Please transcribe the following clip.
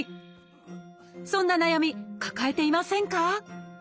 そんな悩み抱えていませんか？